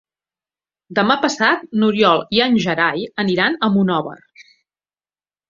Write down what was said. Demà passat n'Oriol i en Gerai aniran a Monòver.